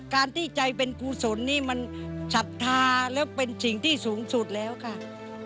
ที่ใจเป็นกุศลนี่มันศรัทธาแล้วเป็นสิ่งที่สูงสุดแล้วค่ะ